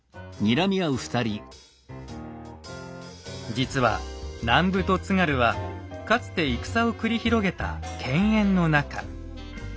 実は南部と津軽はかつて戦を繰り広げた犬猿の仲。